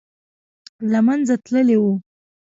له منځه تللی وو.